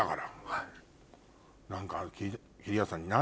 はい。